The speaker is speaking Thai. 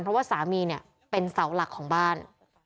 เพราะว่าสามีเนี่ยเป็นเสาหลักของบ้าน